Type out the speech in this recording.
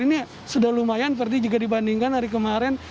ini sudah lumayan verdi jika dibandingkan hari kemarin